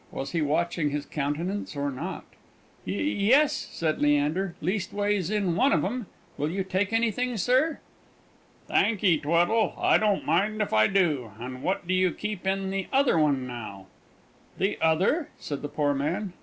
(Was he watching his countenance, or not?) "Y yes," said Leander; "leastways, in one of them. Will you take anything, sir?" "Thank 'ee, Tweddle; I don't mind if I do. And what do you keep in the other one, now?" "The other?" said the poor man.